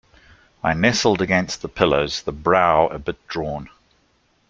I nestled against the pillows, the brow a bit drawn.